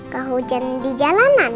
gak hujan di jalanan